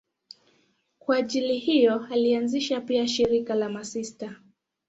Kwa ajili hiyo alianzisha pia shirika la masista.